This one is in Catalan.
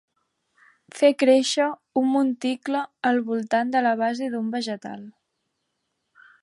Fer créixer un monticle al voltant de la base d'un vegetal.